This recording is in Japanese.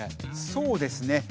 そうですね。